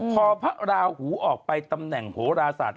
พอพระราหูออกไปตำแหน่งโหราศาสต